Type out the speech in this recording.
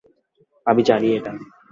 আমি জানি এটা।